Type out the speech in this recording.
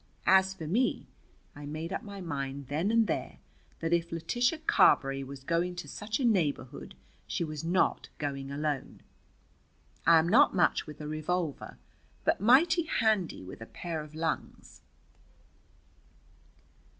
As for me, I made up my mind then and there that if Letitia Carberry was going to such a neighborhood, she was not going alone. I am not much with a revolver, but mighty handy with a pair of lungs.